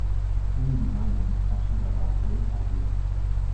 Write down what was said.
Endy Miyem franchit la barre des en bleu.